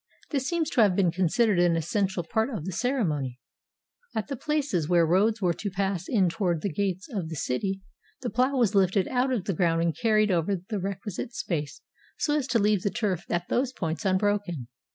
This seems to have been considered an essential part of the ceremony. At the places where roads were to pass in toward the gates of the city, the plough was lifted out of the ground and carried over the requisite space, so as to leave the turf at those points unbroken.